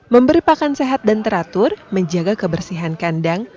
memberi pakan sehat dan teratur menjaga kebersihan kandang